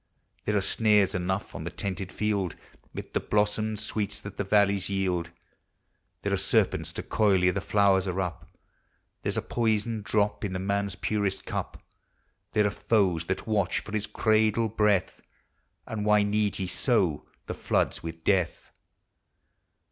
There are snares enough on the tented field, Mid the blossomed sweets that the valleys yield; There are serpents to coil ere the flowers are up, There 's a poison drop in man's purest cup. There are foes that watch for his cradle breath, And why need ye sow the floods with death?